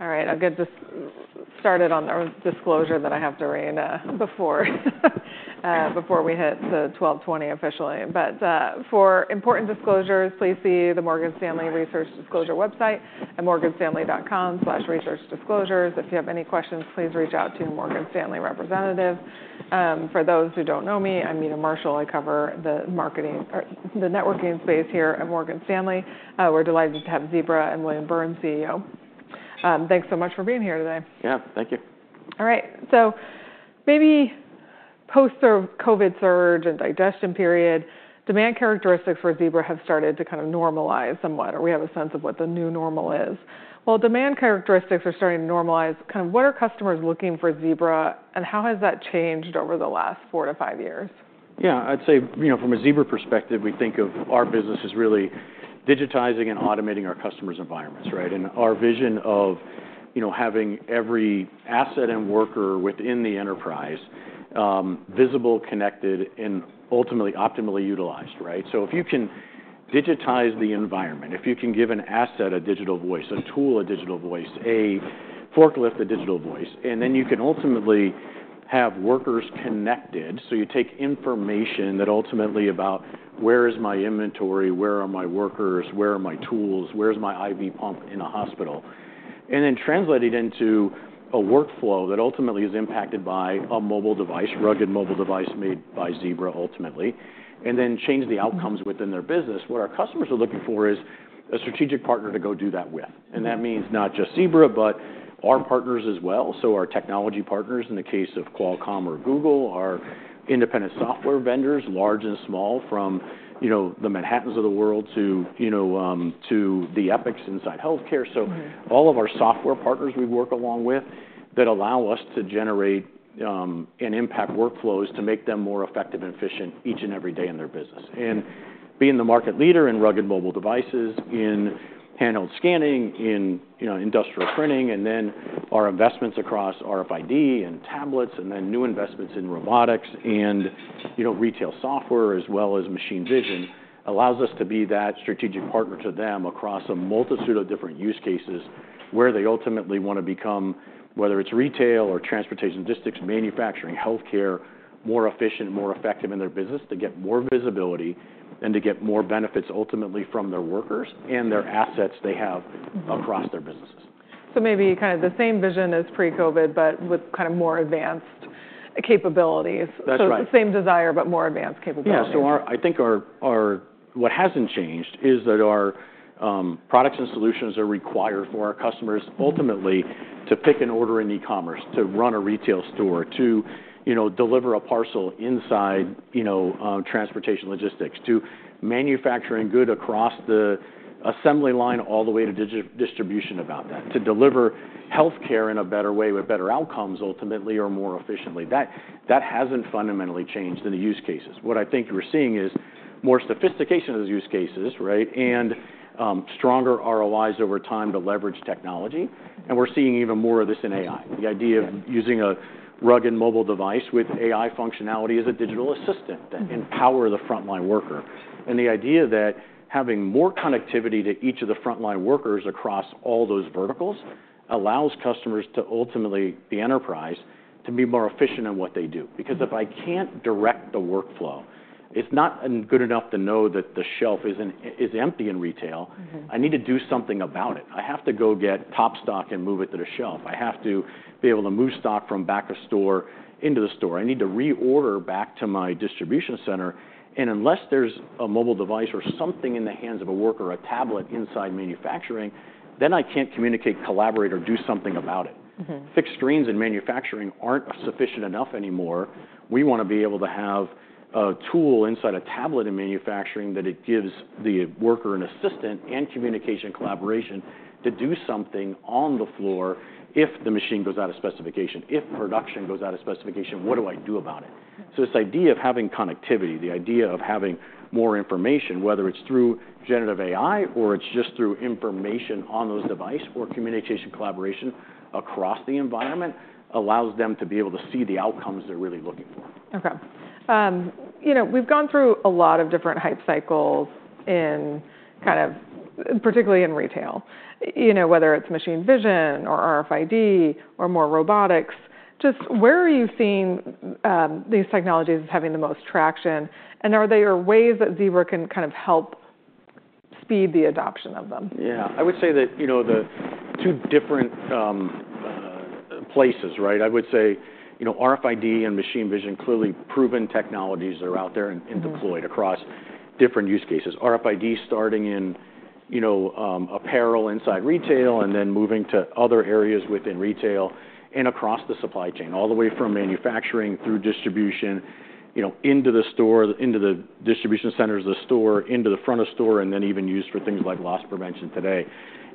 All right. I'll get this started on our disclosure that I have to read before we hit the 12:20 officially, but for important disclosures, please see the Morgan Stanley Research Disclosure website, at morganstanley.com/researchdisclosures. If you have any questions, please reach out to your Morgan Stanley representative. For those who don't know me, I'm Meta Marshall. I cover the hardware and the networking space here at Morgan Stanley. We're delighted to have Zebra and William Burns, CEO. Thanks so much for being here today. Yeah. Thank you. All right. So maybe post-COVID surge and digestion period, demand characteristics for Zebra have started to kind of normalize somewhat, or we have a sense of what the new normal is. While demand characteristics are starting to normalize, kind of what are customers looking for Zebra, and how has that changed over the last four to five years? Yeah. I'd say from a Zebra perspective, we think of our business as really digitizing and automating our customers' environments, right? And our vision of having every asset and worker within the enterprise visible, connected, and ultimately optimally utilized, right? So if you can digitize the environment, if you can give an asset a digital voice, a tool a digital voice, a forklift a digital voice, and then you can ultimately have workers connected. So you take information that ultimately about where is my inventory, where are my workers, where are my tools, where's my IV pump in a hospital, and then translate it into a workflow that ultimately is impacted by a mobile device, rugged mobile device made by Zebra ultimately, and then change the outcomes within their business. What our customers are looking for is a strategic partner to go do that with. And that means not just Zebra, but our partners as well. So our technology partners in the case of Qualcomm or Google, our independent software vendors, large and small, from the Manhattans of the world to the Epics inside healthcare. So all of our software partners we work along with that allow us to generate and impact workflows to make them more effective and efficient each and every day in their business. Being the market leader in rugged mobile devices, in handheld scanning, in industrial printing, and then our investments across RFID and tablets, and then new investments in robotics and retail software as well as machine vision allows us to be that strategic partner to them across a multitude of different use cases where they ultimately want to become, whether it's retail or transportation districts, manufacturing, healthcare, more efficient, more effective in their business to get more visibility and to get more benefits ultimately from their workers and their assets they have across their businesses. So maybe kind of the same vision as pre-COVID, but with kind of more advanced capabilities. That's right. The same desire, but more advanced capabilities. Yeah. So I think what hasn't changed is that our products and solutions are required for our customers ultimately to pick an order in e-commerce, to run a retail store, to deliver a parcel inside transportation logistics, to manufacturing goods across the assembly line all the way to distribution of that, to deliver healthcare in a better way with better outcomes ultimately or more efficiently. That hasn't fundamentally changed in the use cases. What I think we're seeing is more sophistication of the use cases, right, and stronger ROIs over time to leverage technology. And we're seeing even more of this in AI. The idea of using a rugged mobile device with AI functionality as a digital assistant that empowers the frontline worker. The idea that having more connectivity to each of the frontline workers across all those verticals allows customers to ultimately the enterprise to be more efficient in what they do. Because if I can't direct the workflow, it's not good enough to know that the shelf is empty in retail. I need to do something about it. I have to go get top stock and move it to the shelf. I have to be able to move stock from back of store into the store. I need to reorder back to my distribution center. And unless there's a mobile device or something in the hands of a worker, a tablet inside manufacturing, then I can't communicate, collaborate, or do something about it. Fixed screens in manufacturing aren't sufficient enough anymore. We want to be able to have a tool inside a tablet in manufacturing that gives the worker an assistant and communication collaboration to do something on the floor if the machine goes out of specification, if production goes out of specification, what do I do about it? So this idea of having connectivity, the idea of having more information, whether it's through generative AI or it's just through information on those device or communication collaboration across the environment allows them to be able to see the outcomes they're really looking for. Okay. We've gone through a lot of different hype cycles in kind of particularly in retail, whether it's machine vision or RFID or more robotics. Just where are you seeing these technologies having the most traction, and are there ways that Zebra can kind of help speed the adoption of them? Yeah. I would say that the two different places, right? I would say RFID and machine vision, clearly proven technologies that are out there and deployed across different use cases. RFID starting in apparel inside retail and then moving to other areas within retail and across the supply chain, all the way from manufacturing through distribution into the store, into the distribution centers of the store, into the front of store, and then even used for things like loss prevention today.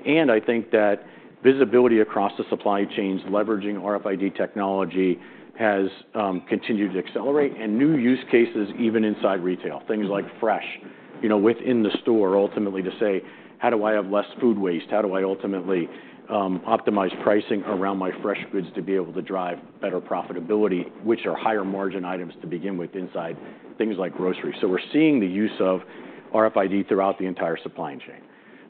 And I think that visibility across the supply chains leveraging RFID technology has continued to accelerate and new use cases even inside retail, things like Fresh within the store ultimately to say, how do I have less food waste? How do I ultimately optimize pricing around my fresh goods to be able to drive better profitability, which are higher margin items to begin with inside things like grocery? So we're seeing the use of RFID throughout the entire supply chain.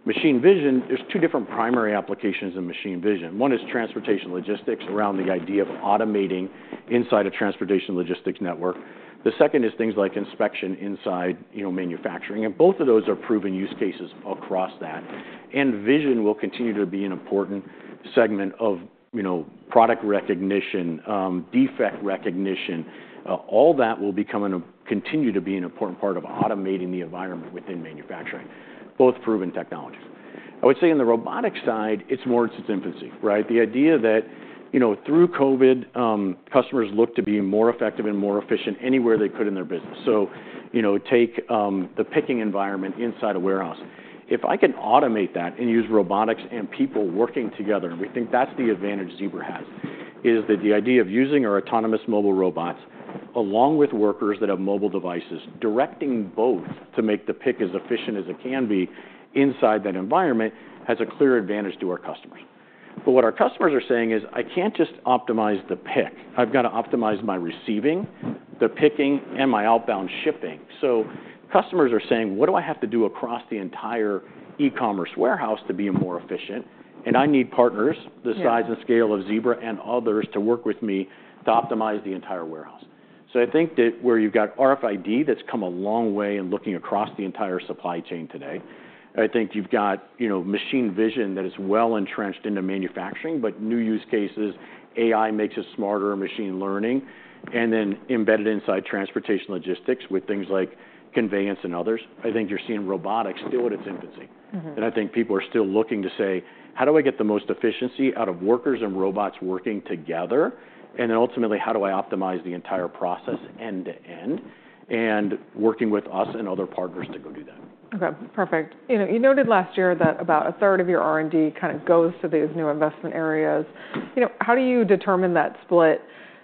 Machine vision, there's two different primary applications in machine vision. One is transportation logistics around the idea of automating inside a transportation logistics network. The second is things like inspection inside manufacturing. And both of those are proven use cases across that. And vision will continue to be an important segment of product recognition, defect recognition. All that will become and continue to be an important part of automating the environment within manufacturing, both proven technologies. I would say in the robotics side, it's more in its infancy, right? The idea that through COVID, customers look to be more effective and more efficient anywhere they could in their business. So take the picking environment inside a warehouse. If I can automate that and use robotics and people working together, we think that's the advantage Zebra has, is that the idea of using our autonomous mobile robots along with workers that have mobile devices, directing both to make the pick as efficient as it can be inside that environment has a clear advantage to our customers, but what our customers are saying is, I can't just optimize the pick, I've got to optimize my receiving, the picking, and my outbound shipping, so customers are saying, what do I have to do across the entire e-commerce warehouse to be more efficient, and I need partners the size and scale of Zebra and others to work with me to optimize the entire warehouse. So I think that where you've got RFID that's come a long way in looking across the entire supply chain today. I think you've got machine vision that is well-entrenched into manufacturing, but new use cases. AI makes it smarter, machine learning, and then embedded inside transportation logistics with things like conveyance and others. I think you're seeing robotics still at its infancy. And I think people are still looking to say, how do I get the most efficiency out of workers and robots working together? And then ultimately, how do I optimize the entire process end to end and working with us and other partners to go do that? Okay. Perfect. You noted last year that about 1/3 of your R&D kind of goes to these new investment areas. How do you determine that split?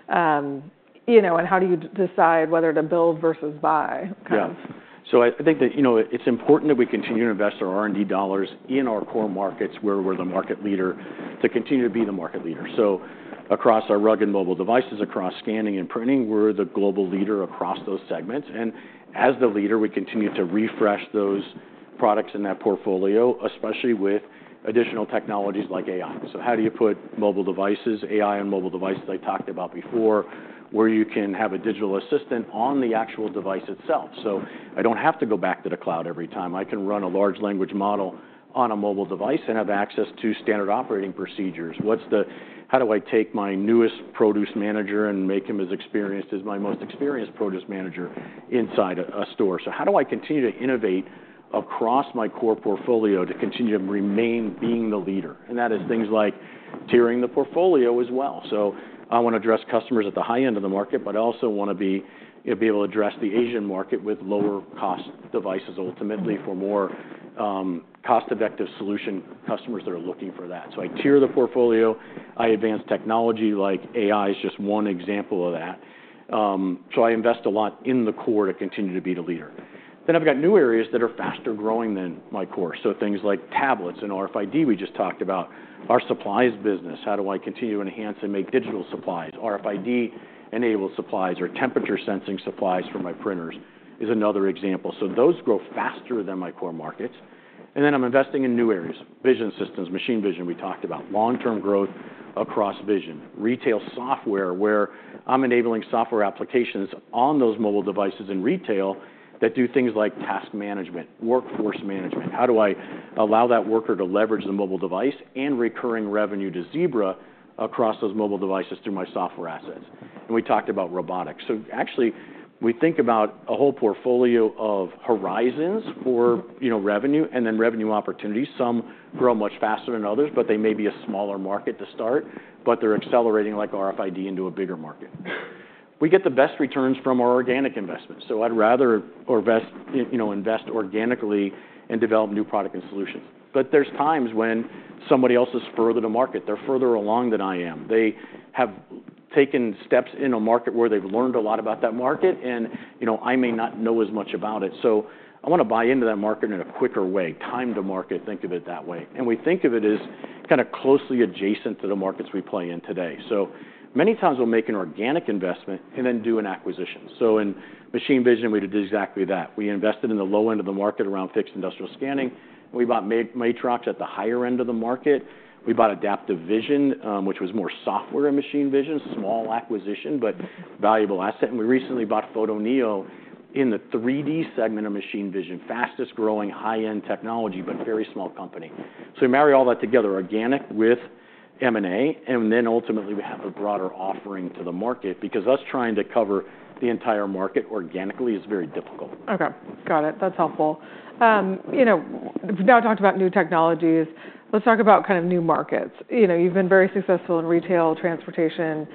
And how do you decide whether to build versus buy kind of? Yeah. So I think that it's important that we continue to invest our R&D dollars in our core markets where we're the market leader to continue to be the market leader. So across our rugged mobile devices, across scanning and printing, we're the global leader across those segments. And as the leader, we continue to refresh those products in that portfolio, especially with additional technologies like AI. So how do you put AI on mobile devices I talked about before, where you can have a digital assistant on the actual device itself? So I don't have to go back to the cloud every time. I can run a large language model on a mobile device and have access to standard operating procedures. How do I take my newest produce manager and make him as experienced as my most experienced produce manager inside a store? How do I continue to innovate across my core portfolio to continue to remain being the leader? That is things like tiering the portfolio as well. I want to address customers at the high end of the market, but I also want to be able to address the Asian market with lower cost devices ultimately for more cost-effective solution customers that are looking for that. I tier the portfolio. I advance technology like AI is just one example of that. I invest a lot in the core to continue to be the leader. I've got new areas that are faster growing than my core. Things like tablets and RFID we just talked about. Our supplies business, how do I continue to enhance and make digital supplies? RFID-enabled supplies or temperature sensing supplies for my printers is another example. So those grow faster than my core markets. And then I'm investing in new areas, vision systems, machine vision we talked about, long-term growth across vision, retail software where I'm enabling software applications on those mobile devices in retail that do things like task management, workforce management. How do I allow that worker to leverage the mobile device and recurring revenue to Zebra across those mobile devices through my software assets? And we talked about robotics. So actually, we think about a whole portfolio of horizons for revenue and then revenue opportunities. Some grow much faster than others, but they may be a smaller market to start, but they're accelerating like RFID into a bigger market. We get the best returns from our organic investments. So I'd rather invest organically and develop new products and solutions. But there's times when somebody else is further to market. They're further along than I am. They have taken steps in a market where they've learned a lot about that market, and I may not know as much about it. So I want to buy into that market in a quicker way, time to market, think of it that way. And we think of it as kind of closely adjacent to the markets we play in today. So many times we'll make an organic investment and then do an acquisition. So in machine vision, we did exactly that. We invested in the low end of the market around fixed industrial scanning. We bought Matrox at the higher end of the market. We bought Adaptive Vision, which was more software and machine vision, small acquisition, but valuable asset. And we recently bought Photoneo in the 3D segment of machine vision, fastest growing high-end technology, but very small company. So we marry all that together, organic with M&A, and then ultimately we have a broader offering to the market because us trying to cover the entire market organically is very difficult. Okay. Got it. That's helpful. We've now talked about new technologies. Let's talk about kind of new markets. You've been very successful in retail, transportation,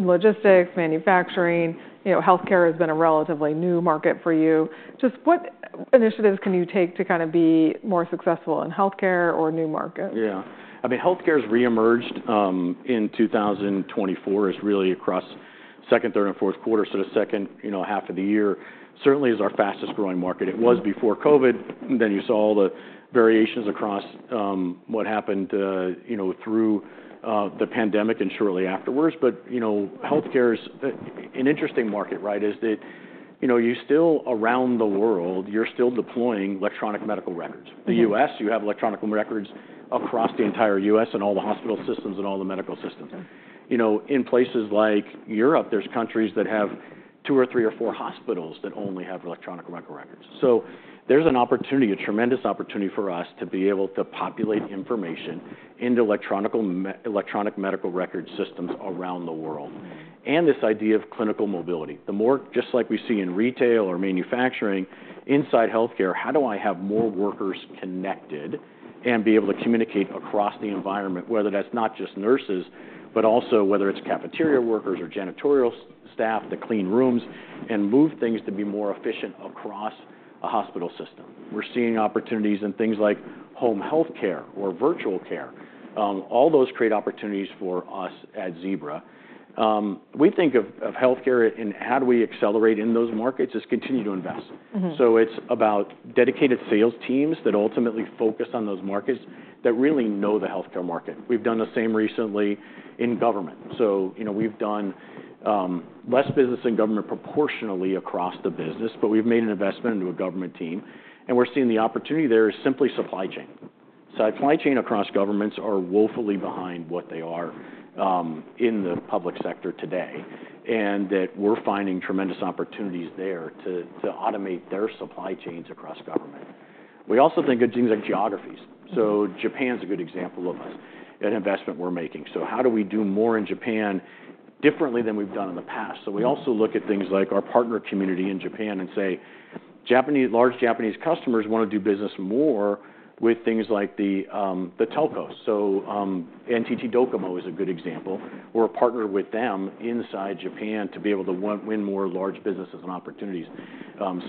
logistics, manufacturing. Healthcare has been a relatively new market for you. Just what initiatives can you take to kind of be more successful in healthcare or new markets? Yeah. I mean, healthcare has reemerged in 2024. It's really across the second, third, and fourth quarters. So the second half of the year certainly is our fastest growing market. It was before COVID. Then you saw all the variations across what happened through the pandemic and shortly afterwards. But healthcare is an interesting market, right? It's that you still around the world, you're still deploying electronic medical records. The U.S., you have electronic records across the entire U.S. and all the hospital systems and all the medical systems. In places like Europe, there's countries that have two or three or four hospitals that only have electronic medical records. So there's an opportunity, a tremendous opportunity for us to be able to populate information into electronic medical record systems around the world. This idea of clinical mobility, the more just like we see in retail or manufacturing inside healthcare, how do I have more workers connected and be able to communicate across the environment, whether that's not just nurses, but also whether it's cafeteria workers or janitorial staff that clean rooms and move things to be more efficient across a hospital system? We're seeing opportunities in things like home healthcare or virtual care. All those create opportunities for us at Zebra. We think of healthcare and how do we accelerate in those markets is continue to invest. So it's about dedicated sales teams that ultimately focus on those markets that really know the healthcare market. We've done the same recently in government. So we've done less business in government proportionally across the business, but we've made an investment into a government team. We're seeing the opportunity there is simply supply chain. Supply chain across governments are woefully behind what they are in the public sector today, and we're finding tremendous opportunities there to automate their supply chains across government. We also think of things like geographies. Japan's a good example of the investment we're making. How do we do more in Japan differently than we've done in the past? We also look at things like our partner community in Japan and say large Japanese customers want to do business more with things like the telcos. NTT DOCOMO is a good example. We're a good example. We're a partner with them inside Japan to be able to win more large businesses and opportunities.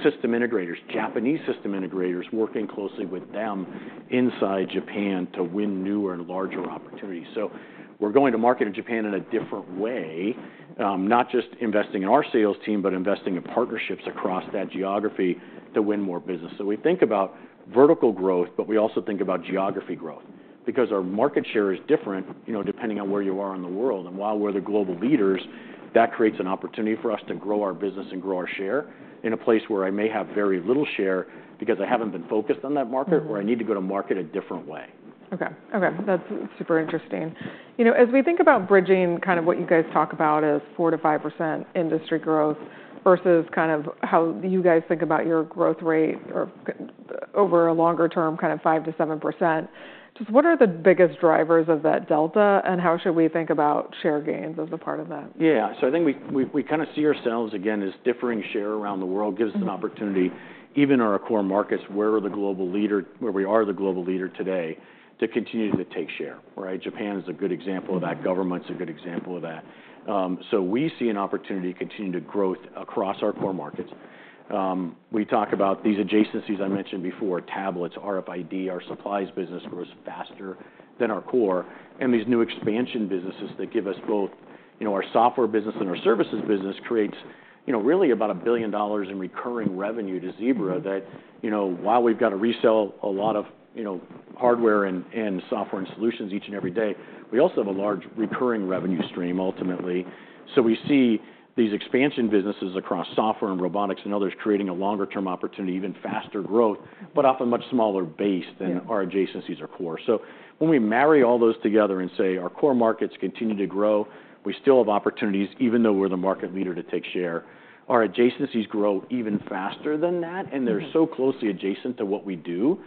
System integrators, Japanese system integrators working closely with them inside Japan to win newer and larger opportunities. So we're going to market in Japan in a different way, not just investing in our sales team, but investing in partnerships across that geography to win more business. So we think about vertical growth, but we also think about geography growth because our market share is different depending on where you are in the world. And while we're the global leaders, that creates an opportunity for us to grow our business and grow our share in a place where I may have very little share because I haven't been focused on that market or I need to go to market a different way. Okay. Okay. That's super interesting. As we think about bridging kind of what you guys talk about as 4%-5% industry growth versus kind of how you guys think about your growth rate over a longer term, kind of 5%-7%, just what are the biggest drivers of that delta and how should we think about share gains as a part of that? Yeah. So I think we kind of see ourselves again as differing share around the world gives us an opportunity even in our core markets where we are the global leader today to continue to take share, right? Japan is a good example of that. Government's a good example of that. So we see an opportunity to continue to grow across our core markets. We talk about these adjacencies I mentioned before, tablets, RFID, our supplies business grows faster than our core. And these new expansion businesses that give us both our software business and our services business creates really about $1 billion in recurring revenue to Zebra that while we've got to resell a lot of hardware and software and solutions each and every day, we also have a large recurring revenue stream ultimately. So we see these expansion businesses across software and robotics and others creating a longer-term opportunity, even faster growth, but often much smaller base than our adjacencies or core. So when we marry all those together and say our core markets continue to grow, we still have opportunities even though we're the market leader to take share. Our adjacencies grow even faster than that, and they're so closely adjacent to what we do.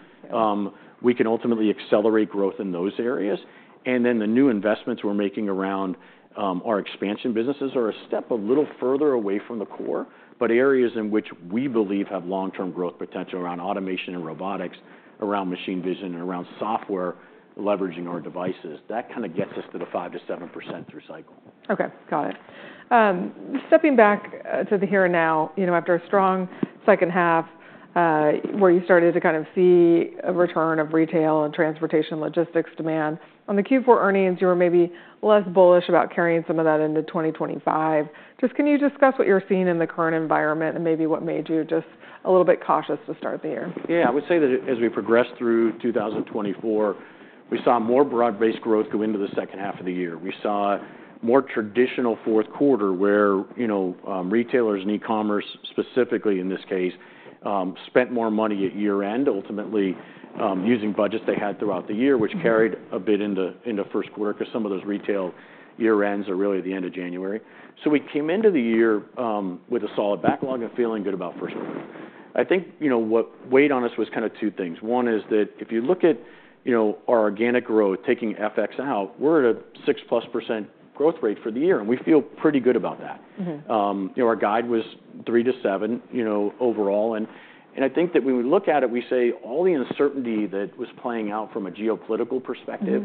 We can ultimately accelerate growth in those areas. And then the new investments we're making around our expansion businesses are a step a little further away from the core, but areas in which we believe have long-term growth potential around automation and robotics, around machine vision, and around software leveraging our devices. That kind of gets us to the 5%-7% through cycle. Okay. Got it. Stepping back to the here and now, after a strong second half where you started to kind of see a return of retail and transportation logistics demand, on the Q4 earnings, you were maybe less bullish about carrying some of that into 2025. Just can you discuss what you're seeing in the current environment and maybe what made you just a little bit cautious to start the year? Yeah. I would say that as we progressed through 2024, we saw more broad-based growth go into the second half of the year. We saw more traditional fourth quarter where retailers and e-commerce specifically in this case spent more money at year-end ultimately using budgets they had throughout the year, which carried a bit into first quarter because some of those retail year-ends are really at the end of January. So we came into the year with a solid backlog and feeling good about first quarter. I think what weighed on us was kind of two things. One is that if you look at our organic growth taking FX out, we're at a 6%+ growth rate for the year, and we feel pretty good about that. Our guide was 3%-7% overall. I think that when we look at it, we say all the uncertainty that was playing out from a geopolitical perspective,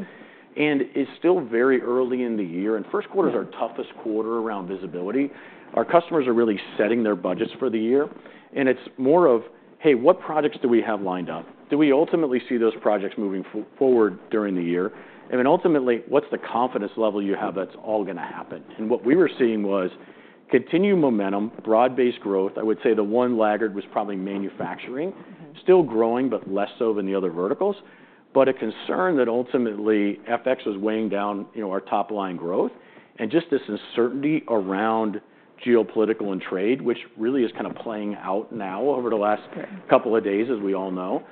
and it's still very early in the year, and first quarter is our toughest quarter around visibility. Our customers are really setting their budgets for the year. It's more of, hey, what projects do we have lined up? Do we ultimately see those projects moving forward during the year? Ultimately, what's the confidence level you have that's all going to happen? What we were seeing was continued momentum, broad-based growth. I would say the one laggard was probably manufacturing, still growing, but less so than the other verticals. A concern that ultimately FX was weighing down our top-line growth and just this uncertainty around geopolitical and trade, which really is kind of playing out now over the last couple of days, as we all know.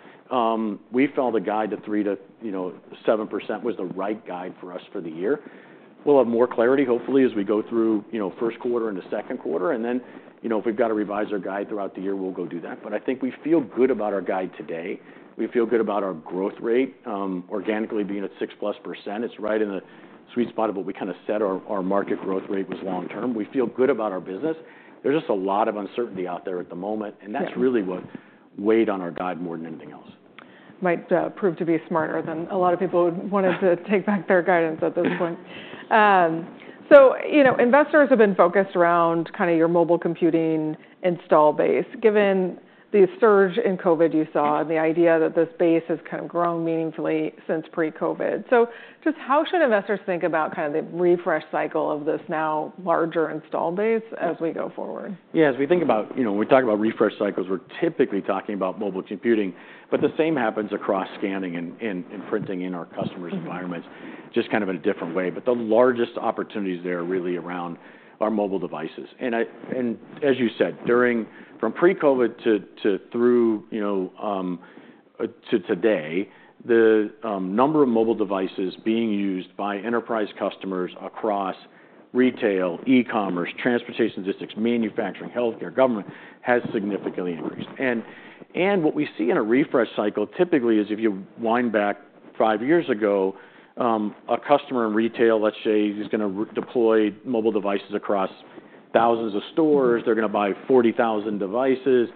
We felt a guide to 3%-7% was the right guide for us for the year. We'll have more clarity, hopefully, as we go through first quarter into second quarter. And then if we've got to revise our guide throughout the year, we'll go do that. But I think we feel good about our guide today. We feel good about our growth rate organically being at 6%+ percent. It's right in the sweet spot of what we kind of set our market growth rate was long-term. We feel good about our business. There's just a lot of uncertainty out there at the moment, and that's really what weighed on our guide more than anything else. Might prove to be smarter than a lot of people who wanted to take back their guidance at this point. So investors have been focused around kind of your mobile computing install base, given the surge in COVID you saw and the idea that this base has kind of grown meaningfully since pre-COVID. So just how should investors think about kind of the refresh cycle of this now larger install base as we go forward? Yeah. As we think about, when we talk about refresh cycles, we're typically talking about mobile computing, but the same happens across scanning and printing in our customers' environments, just kind of in a different way. But the largest opportunities there are really around our mobile devices. And as you said, from pre-COVID to today, the number of mobile devices being used by enterprise customers across retail, e-commerce, transportation logistics, manufacturing, healthcare, government has significantly increased. And what we see in a refresh cycle typically is if you wind back five years ago, a customer in retail, let's say, is going to deploy mobile devices across thousands of stores. They're going to buy 40,000 devices.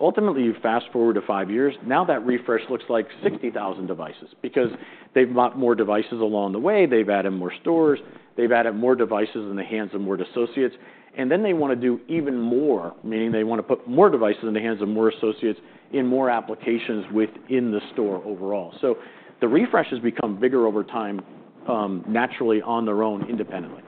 Ultimately, you fast forward to five years, now that refresh looks like 60,000 devices because they've bought more devices along the way. They've added more stores. They've added more devices in the hands of more associates, and then they want to do even more, meaning they want to put more devices in the hands of more associates in more applications within the store overall, so the refresh has become bigger over time, naturally on their own, independently.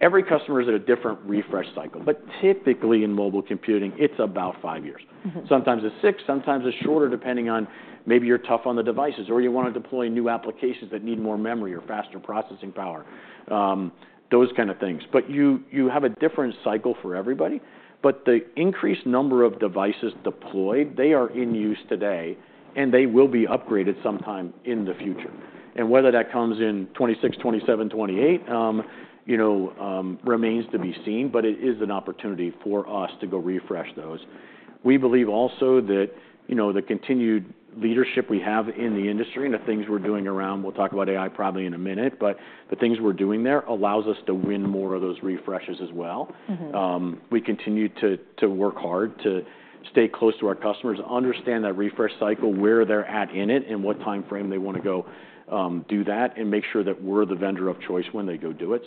Every customer is at a different refresh cycle, but typically in mobile computing, it's about five years. Sometimes it's six, sometimes it's shorter depending on maybe you're tough on the devices or you want to deploy new applications that need more memory or faster processing power, those kind of things, but you have a different cycle for everybody, but the increased number of devices deployed, they are in use today, and they will be upgraded sometime in the future. Whether that comes in 2026, 2027, 2028 remains to be seen, but it is an opportunity for us to go refresh those. We believe also that the continued leadership we have in the industry and the things we're doing around, we'll talk about AI probably in a minute, but the things we're doing there allows us to win more of those refreshes as well. We continue to work hard to stay close to our customers, understand that refresh cycle, where they're at in it, and what timeframe they want to go do that and make sure that we're the vendor of choice when they go do it.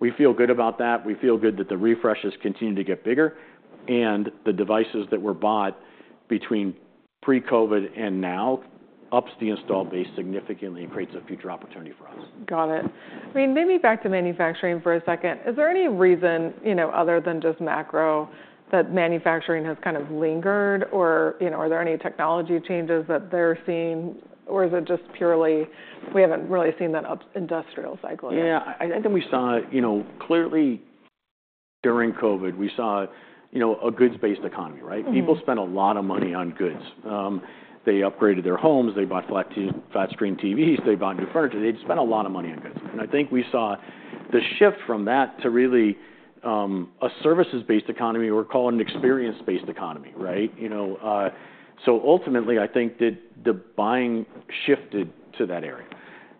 We feel good about that. We feel good that the refreshes continue to get bigger. The devices that were bought between pre-COVID and now ups the install base significantly and creates a future opportunity for us. Got it. I mean, maybe back to manufacturing for a second. Is there any reason other than just macro that manufacturing has kind of lingered, or are there any technology changes that they're seeing, or is it just purely we haven't really seen that industrial cycle yet? Yeah. I think we saw clearly during COVID, we saw a goods-based economy, right? People spent a lot of money on goods. They upgraded their homes. They bought flat-screen TVs. They bought new furniture. They'd spent a lot of money on goods, and I think we saw the shift from that to really a services-based economy. We're calling it an experience-based economy, right, so ultimately, I think that the buying shifted to that area.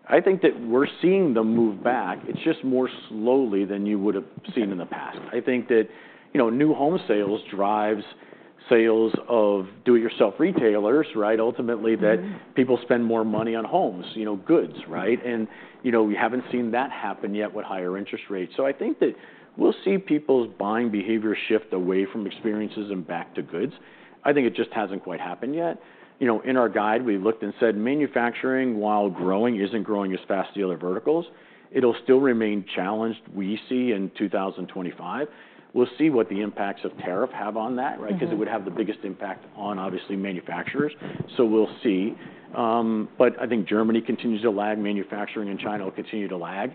I think that we're seeing them move back. It's just more slowly than you would have seen in the past. I think that new home sales drives sales of do-it-yourself retailers, right? Ultimately, that people spend more money on homes, goods, right, and we haven't seen that happen yet with higher interest rates, so I think that we'll see people's buying behavior shift away from experiences and back to goods. I think it just hasn't quite happened yet. In our guide, we looked and said manufacturing, while growing, isn't growing as fast as the other verticals. It'll still remain challenged, we see, in 2025. We'll see what the impacts of tariff have on that, right? Because it would have the biggest impact on, obviously, manufacturers. So we'll see. But I think Germany continues to lag. Manufacturing in China will continue to lag.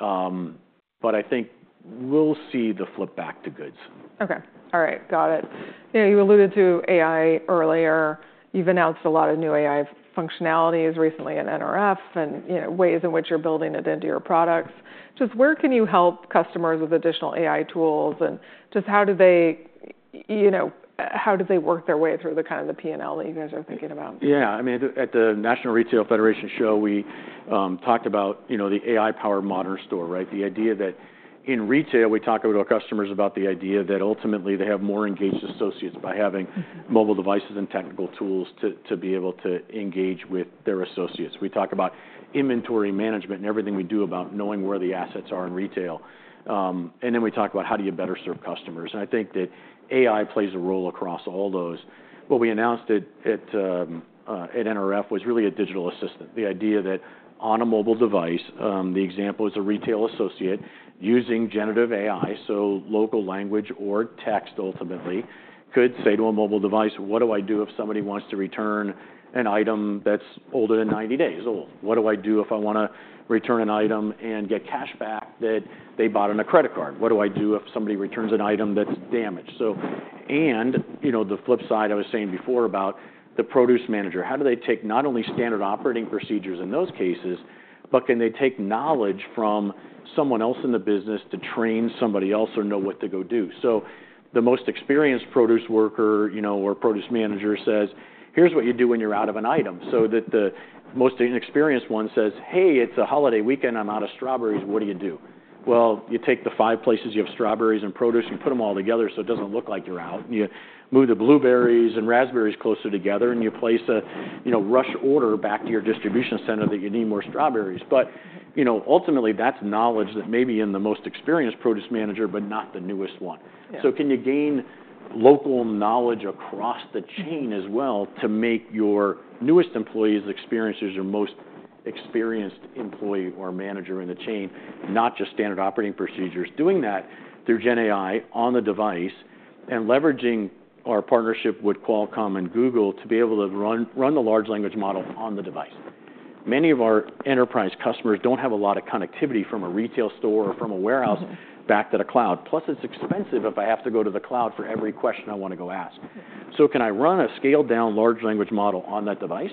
But I think we'll see the flip back to goods. Okay. All right. Got it. You alluded to AI earlier. You've announced a lot of new AI functionalities recently at NRF and ways in which you're building it into your products. Just where can you help customers with additional AI tools, and just how do they work their way through the kind of P&L that you guys are thinking about? Yeah. I mean, at the National Retail Federation show, we talked about the AI-powered Modern Store, right? The idea that in retail, we talk to our customers about the idea that ultimately they have more engaged associates by having mobile devices and technical tools to be able to engage with their associates. We talk about inventory management and everything we do about knowing where the assets are in retail. And then we talk about how do you better serve customers. And I think that AI plays a role across all those. What we announced at NRF was really a digital assistant. The idea that on a mobile device, the example is a retail associate using generative AI, so local language or text ultimately, could say to a mobile device, what do I do if somebody wants to return an item that's older than 90 days old? What do I do if I want to return an item and get cash back that they bought on a credit card? What do I do if somebody returns an item that's damaged? And the flip side, I was saying before about the produce manager. How do they take not only standard operating procedures in those cases, but can they take knowledge from someone else in the business to train somebody else or know what to go do, so the most experienced produce worker or produce manager says, here's what you do when you're out of an item, so that the most inexperienced one says, hey, it's a holiday weekend. I'm out of strawberries. What do you do? Well, you take the five places you have strawberries and produce and you put them all together so it doesn't look like you're out. You move the blueberries and raspberries closer together, and you place a rush order back to your distribution center that you need more strawberries. But ultimately, that's knowledge that may be in the most experienced produce manager, but not the newest one. So can you gain local knowledge across the chain as well to make your newest employees' experiences your most experienced employee or manager in the chain, not just standard operating procedures, doing that through GenAI on the device and leveraging our partnership with Qualcomm and Google to be able to run the large language model on the device? Many of our enterprise customers don't have a lot of connectivity from a retail store or from a warehouse back to the cloud. Plus, it's expensive if I have to go to the cloud for every question I want to go ask. So can I run a scaled-down large language model on that device?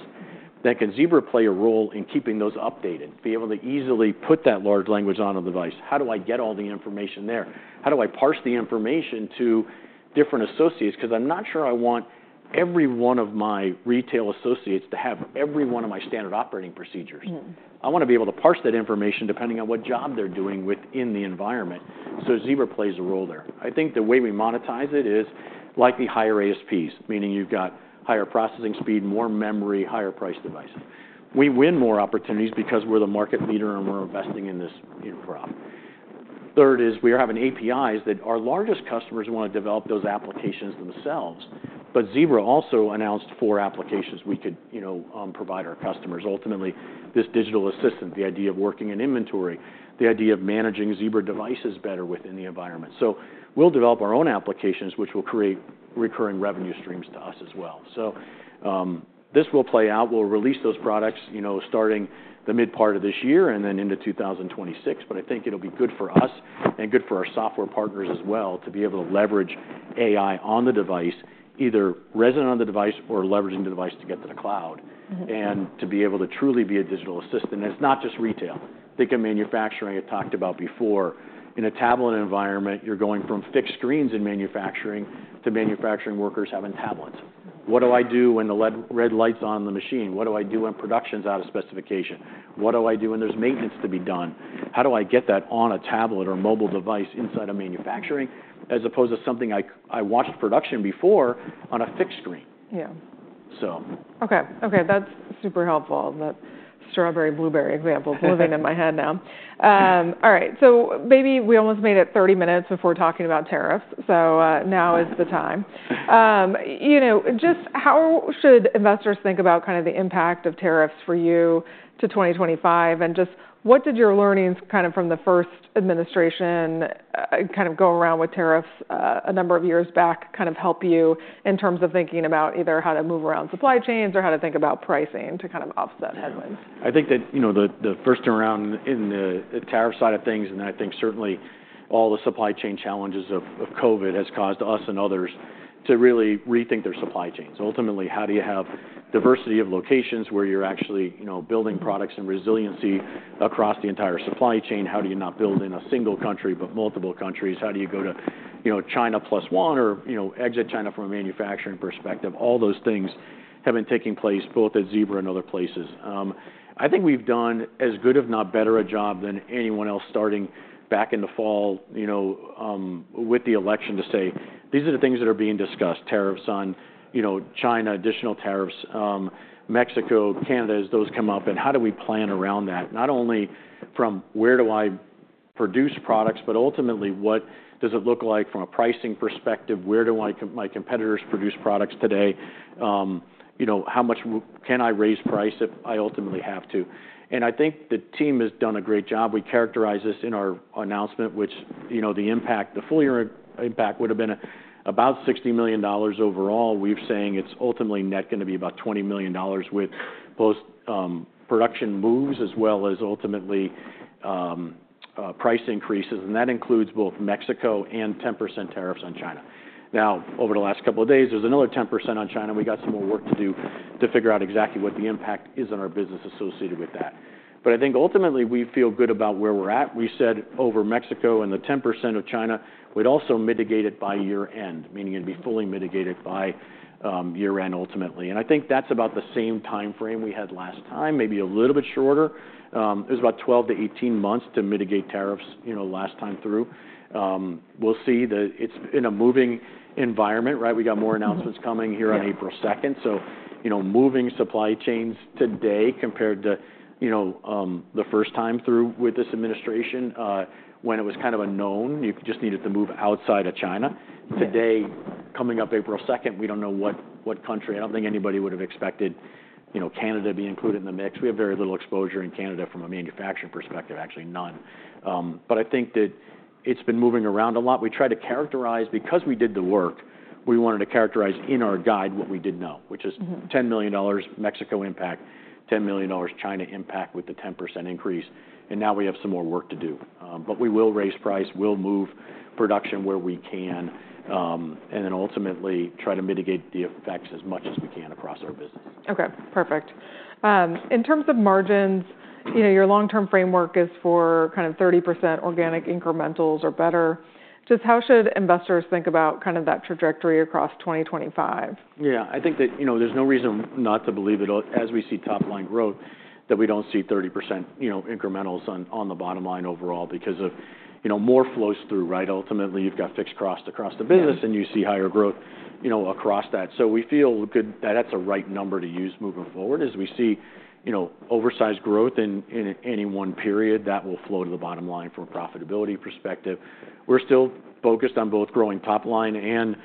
Then can Zebra play a role in keeping those updated, be able to easily put that large language on a device? How do I get all the information there? How do I parse the information to different associates? Because I'm not sure I want every one of my retail associates to have every one of my standard operating procedures. I want to be able to parse that information depending on what job they're doing within the environment. So Zebra plays a role there. I think the way we monetize it is like the higher ASPs, meaning you've got higher processing speed, more memory, higher price devices. We win more opportunities because we're the market leader and we're investing in this crop. Third is we have APIs that our largest customers want to develop those applications themselves. But Zebra also announced four applications we could provide our customers. Ultimately, this digital assistant, the idea of working in inventory, the idea of managing Zebra devices better within the environment. So we'll develop our own applications, which will create recurring revenue streams to us as well. So this will play out. We'll release those products starting the mid-part of this year and then into 2026. But I think it'll be good for us and good for our software partners as well to be able to leverage AI on the device, either resident on the device or leveraging the device to get to the cloud and to be able to truly be a digital assistant. And it's not just retail. Think of manufacturing I talked about before. In a tablet environment, you're going from fixed screens in manufacturing to manufacturing workers having tablets. What do I do when the red light's on the machine? What do I do when production's out of specification? What do I do when there's maintenance to be done? How do I get that on a tablet or mobile device inside of manufacturing as opposed to something I watched production before on a fixed screen? Yeah. Okay. Okay. That's super helpful. That strawberry-blueberry example is living in my head now. All right. So maybe we almost made it 30 minutes before talking about tariffs. So now is the time. Just how should investors think about kind of the impact of tariffs for you to 2025? And just what did your learnings kind of from the first administration kind of go around with tariffs a number of years back kind of help you in terms of thinking about either how to move around supply chains or how to think about pricing to kind of offset headwinds? I think that the first round in the tariff side of things, and I think certainly all the supply chain challenges of COVID has caused us and others to really rethink their supply chains. Ultimately, how do you have diversity of locations where you're actually building products and resiliency across the entire supply chain? How do you not build in a single country but multiple countries? How do you go to China Plus One or exit China from a manufacturing perspective? All those things have been taking place both at Zebra and other places. I think we've done as good if not better a job than anyone else starting back in the fall with the election to say, these are the things that are being discussed: tariffs on China, additional tariffs, Mexico, Canada. As those come up, and how do we plan around that? Not only from where do I produce products, but ultimately, what does it look like from a pricing perspective? Where do my competitors produce products today? How much can I raise price if I ultimately have to? And I think the team has done a great job. We characterize this in our announcement, which the impact, the full year impact would have been about $60 million overall. We're saying it's ultimately net going to be about $20 million with both production moves as well as ultimately price increases. And that includes both Mexico and 10% tariffs on China. Now, over the last couple of days, there's another 10% on China. We got some more work to do to figure out exactly what the impact is on our business associated with that. But I think ultimately we feel good about where we're at. We said over Mexico and the 10% of China, we'd also mitigate it by year-end, meaning it'd be fully mitigated by year-end ultimately. And I think that's about the same timeframe we had last time, maybe a little bit shorter. It was about 12 to 18 months to mitigate tariffs last time through. We'll see that it's in a moving environment, right? We got more announcements coming here on April 2nd. So moving supply chains today compared to the first time through with this administration when it was kind of a known, you just needed to move outside of China. Today, coming up April 2nd, we don't know what country. I don't think anybody would have expected Canada to be included in the mix. We have very little exposure in Canada from a manufacturing perspective, actually none. But I think that it's been moving around a lot. We tried to characterize because we did the work, we wanted to characterize in our guide what we did know, which is $10 million Mexico impact, $10 million China impact with the 10% increase. And now we have some more work to do. But we will raise price, we'll move production where we can, and then ultimately try to mitigate the effects as much as we can across our business. Okay. Perfect. In terms of margins, your long-term framework is for kind of 30% organic incrementals or better. Just how should investors think about kind of that trajectory across 2025? Yeah. I think that there's no reason not to believe it. As we see top-line growth, that we don't see 30% incrementals on the bottom line overall because of more flows through, right? Ultimately, you've got fixed cost across the business and you see higher growth across that. So we feel that that's a right number to use moving forward. As we see oversized growth in any one period, that will flow to the bottom line from a profitability perspective. We're still focused on both growing top line and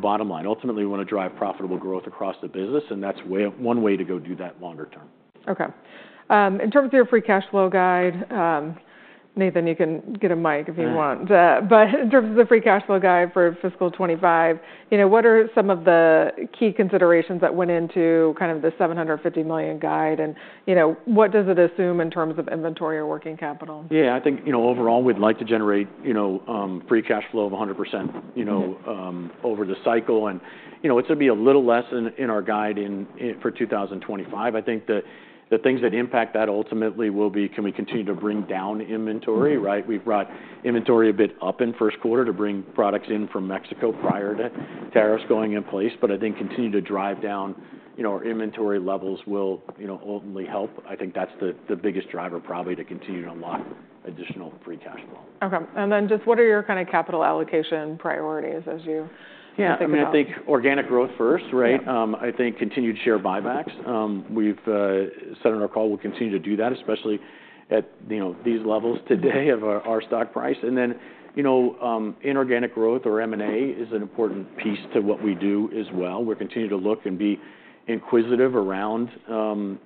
bottom line. Ultimately, we want to drive profitable growth across the business, and that's one way to go do that longer term. Okay. In terms of your free cash flow guide, Nathan, you can get a mic if you want. But in terms of the free cash flow guide for fiscal 2025, what are some of the key considerations that went into kind of the $750 million guide? And what does it assume in terms of inventory or working capital? Yeah. I think overall, we'd like to generate free cash flow of 100% over the cycle. And it's going to be a little less in our guide for 2025. I think the things that impact that ultimately will be, can we continue to bring down inventory, right? We've brought inventory a bit up in first quarter to bring products in from Mexico prior to tariffs going in place. But I think continuing to drive down our inventory levels will ultimately help. I think that's the biggest driver probably to continue to unlock additional free cash flow. Okay. What are your kind of capital allocation priorities as you think about? Yeah. I mean, I think organic growth first, right? I think continued share buybacks. We've said on our call we'll continue to do that, especially at these levels today of our stock price. And then inorganic growth or M&A is an important piece to what we do as well. We're continuing to look and be inquisitive around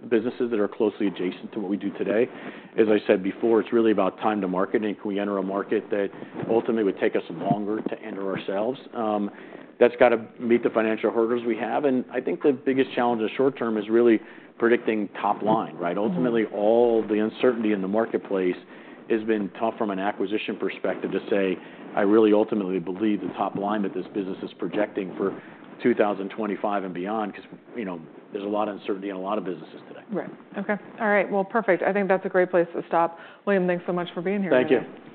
businesses that are closely adjacent to what we do today. As I said before, it's really about time to market. And can we enter a market that ultimately would take us longer to enter ourselves? That's got to meet the financial hurdles we have. And I think the biggest challenge in the short term is really predicting top line, right? Ultimately, all the uncertainty in the marketplace has been tough from an acquisition perspective to say, I really ultimately believe the top line that this business is projecting for 2025 and beyond, because there's a lot of uncertainty in a lot of businesses today. Right. Okay. All right. Perfect. I think that's a great place to stop. William, thanks so much for being here. Thank you.